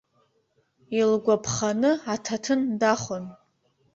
Илгәаԥханы аҭаҭын дахон.